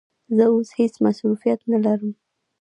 زه اوس هیڅ مصروفیت نه لرم.